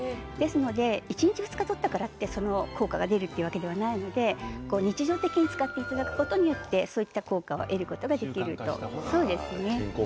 １日２日とって効果が出るというものではないので日常的に使っていただくことによってそういった効果を得ることができるということですね。